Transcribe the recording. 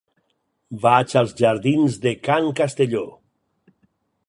Vaig als jardins de Can Castelló.